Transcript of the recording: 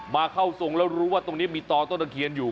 เข้าทรงแล้วรู้ว่าตรงนี้มีต่อต้นตะเคียนอยู่